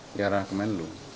ini rana kemenlu